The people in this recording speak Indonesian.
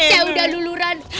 ya udah luluran